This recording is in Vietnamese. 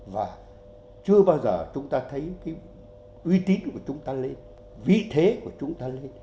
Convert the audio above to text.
và chưa bao giờ chúng ta thấy cái uy tín của chúng ta lên vị thế của chúng ta lên